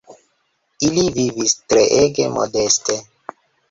Ili vivis treege modeste.